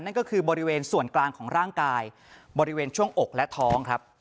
นั่นก็คือบริเวณส่วนกลางของร่างกายบริเวณช่วงอกและท้องครับ